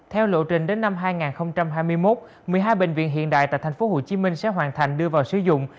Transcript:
theo lộ trình đến năm hai nghìn hai mươi một một mươi hai bệnh viện hiện đại tại tp hcm sẽ hoàn thành đưa vào sử dụng